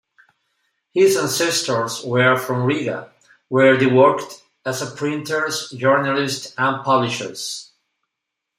His ancestors were from Riga, where they worked as printers, journalists and publishers.